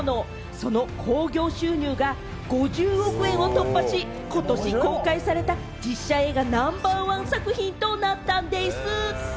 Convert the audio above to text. その興行収入が５０億円を突破し、ことし公開された実写映画ナンバーワン作品となったんでぃす！